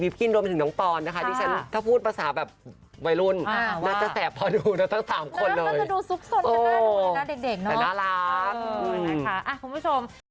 เป็นเองดีหน่อยเชื่อฟังคนอื่นคือไม่